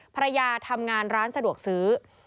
ภรรยาทำงานร้านสะดวกซื้อ